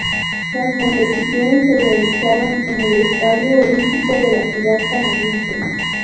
Las competiciones se realizaron en el Estadio Olímpico de la ciudad canadiense.